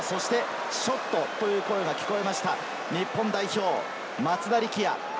ショットという声が聞こえました、日本代表・松田力也。